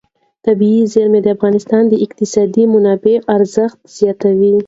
طبیعي زیرمې د افغانستان د اقتصادي منابعو ارزښت زیاتوي.